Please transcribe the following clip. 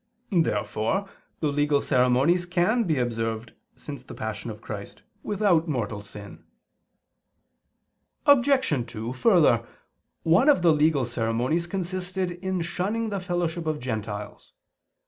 Therefore the legal ceremonies can be observed since the Passion of Christ without mortal sin. Obj. 2: Further, one of the legal ceremonies consisted in shunning the fellowship of Gentiles.